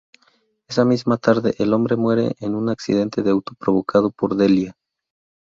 Esa misma tarde, el hombre muere en un accidente de auto provocado por Delia.